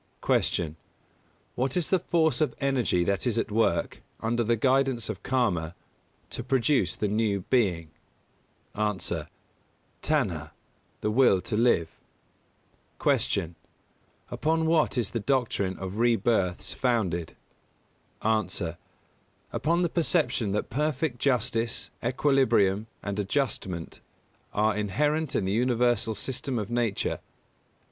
238. Q. What is the force of energy that is at work, under the guidance of Karma, to produce the new being? A. Tanhā the will to live. 239. Q. Upon what is the doctrine of rebirths founded? A. Upon the perception that perfect justice, equilibrium and adjustment are inherent in the universal system of Nature.